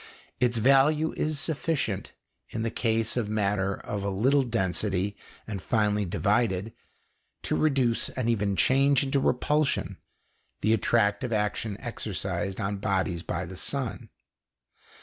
Its value is sufficient, in the case of matter of little density and finely divided, to reduce and even change into repulsion the attractive action exercised on bodies by the sun.